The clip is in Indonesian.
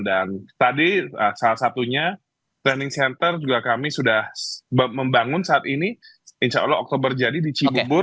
dan tadi salah satunya training center juga kami sudah membangun saat ini insya allah oktober jadi di cibubur